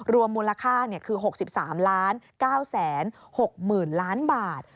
มูลค่าคือ๖๓๙๖๐๐๐ล้านบาท